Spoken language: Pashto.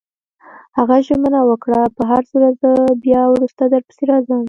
هغه ژمنه وکړه: په هرصورت، زه بیا وروسته درپسې راځم.